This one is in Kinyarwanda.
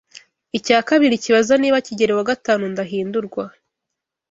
icya kabiri kibaza niba Kigeli wa gatanu Ndahindurwa